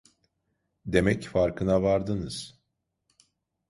Demek farkına vardınız!